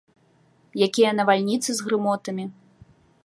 Якія навальніцы з грымотамі!